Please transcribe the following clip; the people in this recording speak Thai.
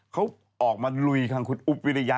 เขาออกมาลุยทางคุณอุ๊บวิริยะ